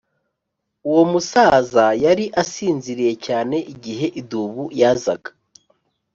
uwo musaza yari asinziriye cyane igihe idubu yazaga.